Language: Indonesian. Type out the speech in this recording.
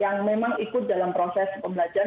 yang memang ikut dalam proses pembelajaran